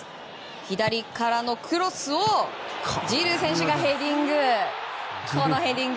左からのクロスをジルー選手がヘディング！